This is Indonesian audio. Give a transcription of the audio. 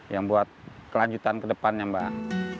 yang buat kelanjutan kedepannya mbak